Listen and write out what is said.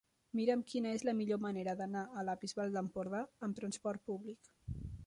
Mira'm quina és la millor manera d'anar a la Bisbal d'Empordà amb trasport públic.